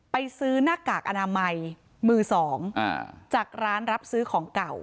ไปซื้อหน้ากากอนามัยมือสองจากร้านรับซื้อของเก่า